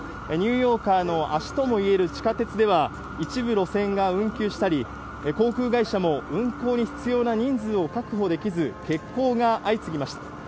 ニューヨーカーの足ともいえる地下鉄では、一部路線が運休したり、航空会社も運行に必要な人数を確保できず、欠航が相次ぎました。